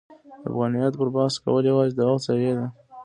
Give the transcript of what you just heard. د افغانیت پر بحث کول یوازې د وخت ضایع ده.